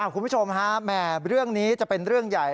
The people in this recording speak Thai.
คุณผู้ชมฮะแหมเรื่องนี้จะเป็นเรื่องใหญ่